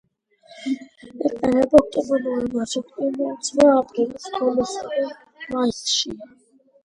იყინება ოქტომბერ-ნოემბერში, ყინულძვრა აპრილის ბოლოსა და მაისშია.